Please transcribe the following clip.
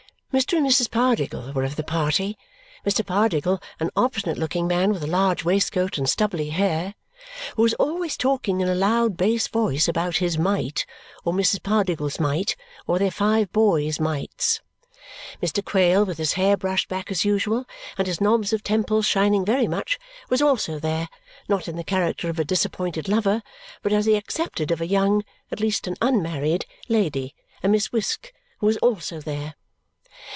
Mr. and Mrs. Pardiggle were of the party Mr. Pardiggle, an obstinate looking man with a large waistcoat and stubbly hair, who was always talking in a loud bass voice about his mite, or Mrs. Pardiggle's mite, or their five boys' mites. Mr. Quale, with his hair brushed back as usual and his knobs of temples shining very much, was also there, not in the character of a disappointed lover, but as the accepted of a young at least, an unmarried lady, a Miss Wisk, who was also there.